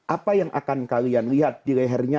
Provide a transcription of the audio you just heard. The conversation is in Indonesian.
apa yang akan kalian lihat di lehernya